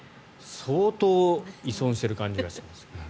相当依存している感じがします。